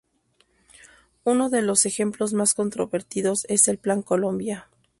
Uno de los ejemplos más controvertidos es el Plan Colombia.